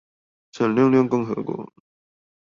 閃亮亮共和國